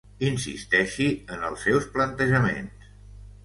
Insisteixi en els seus plantejaments.